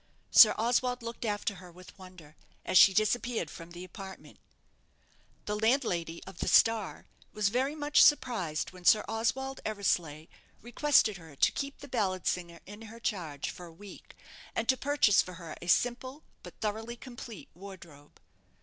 Sir Oswald looked after her with wonder, as she disappeared from the apartment. The landlady of the "Star" was very much surprised when Sir Oswald Eversleigh requested her to keep the ballad singer in her charge for a week, and to purchase for her a simple but thoroughly complete wardrobe.